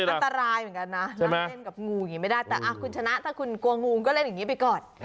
อันตรายเหมือนกันนะนั่งเล่นกับงูอย่างนี้ไม่ได้แต่คุณชนะถ้าคุณกลัวงูก็เล่นอย่างนี้ไปก่อน